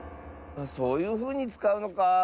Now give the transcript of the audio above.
そういうふうにつかうのかあ。